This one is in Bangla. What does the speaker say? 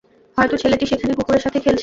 হয়তো ছেলেটি সেখানে কুকুরের সাথে খেলছে।